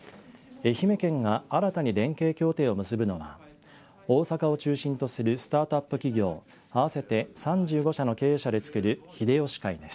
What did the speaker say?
愛媛県が新たに連携協定を結ぶのは大阪を中心とするスタートアップ企業合わせて３５社の経営者でつくる秀吉会です。